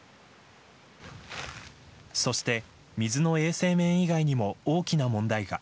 そして、水の衛生面以外にも大きな問題が。